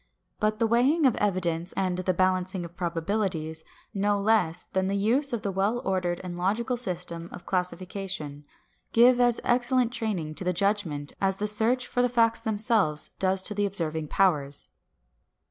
But the weighing of evidence and the balancing of probabilities, no less than the use of the well ordered and logical system of classification, give as excellent training to the judgment as the search for the facts themselves does to the observing powers.